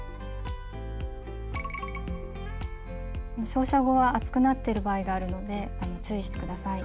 照射後は熱くなってる場合があるので注意して下さい。